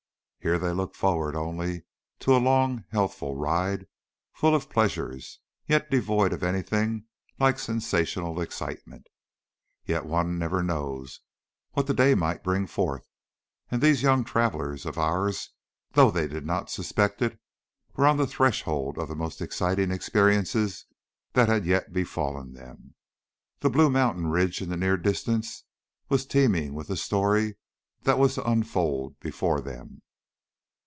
Here they looked forward only to a long, healthful ride, full of pleasures, yet devoid of anything like sensational excitement. Yet one never knows what the day may bring forth, and these young travelers of ours, though they did not suspect it, were on the threshold of the most exciting experiences that had yet befallen them. The blue mountain ridge in the near distance was teeming with the story that was to unfold before them.